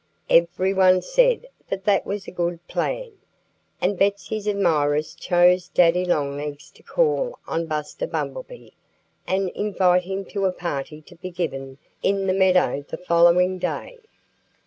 Everybody said that that was a good plan. And Betsy's admirers chose Daddy Longlegs to call on Buster Bumblebee and invite him to a party to be given in the meadow the following day.